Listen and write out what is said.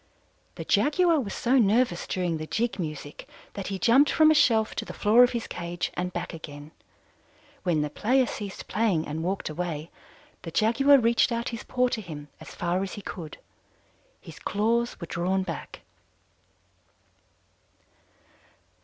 "The Jaguar was so nervous during the jig music that he jumped from a shelf to the floor of his cage and back again. When the player ceased playing and walked away, the Jaguar reached out his paw to him as far as he could. His claws were drawn back.